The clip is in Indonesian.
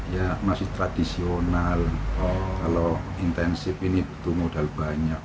ya masih tradisional kalau intensif ini butuh modal banyak